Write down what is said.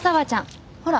ほら。